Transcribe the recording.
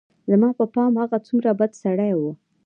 زما په پام هغه څومره بد سړى و.